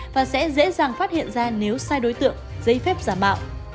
và sẽ dễ dàng phát hiện ra nếu sai đối tượng giấy phép giả mạo